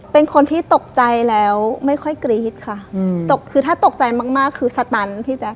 เป็นคนที่ตกใจแล้วไม่ค่อยกรี๊ดค่ะตกคือถ้าตกใจมากคือสตันพี่แจ๊